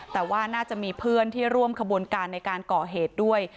แต่ว่าน่าจะมีเพื่อนที่ร่วมขบวนการในการก่อเหตุด้วย